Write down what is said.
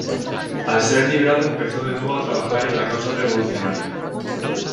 Al ser liberado empezó de nuevo a trabajar en la causa revolucionaria.